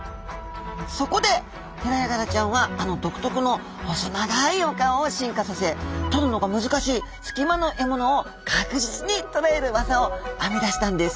そこでヘラヤガラちゃんはあの独特の細長いお顔を進化させとるのが難しい隙間の獲物を確実に捕らえる技を編み出したんです。